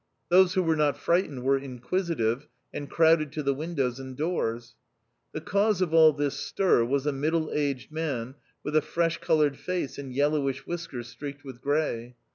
Those who were not frightened were inquisitive, and crowded to the windows and doors. The cause of all this stir was a middle aged man with a fresh coloured face and yellowish whiskers streaked with grey.